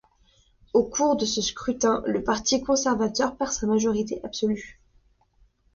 Au cours de ce scrutin, le Parti conservateur perd sa majorité absolue.